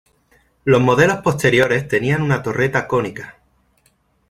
Los modelos posteriores tenían una torreta cónica.